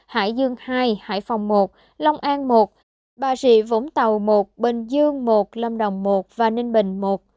hải dương hai hải phòng một long an một bà rịa vũng tàu một bình dương một lâm đồng một và ninh bình một